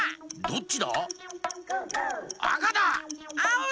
どっちだ？